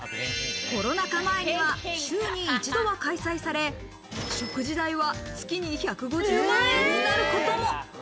コロナ禍前には週に一度は開催され、食事代は月に１５０万円になることも。